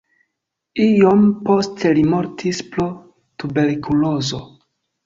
Iom poste li mortis pro tuberkulozo.